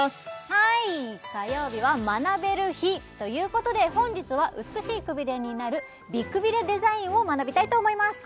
はい火曜日は学べる日ということで本日は美しいくびれになる美くびれデザインを学びたいと思います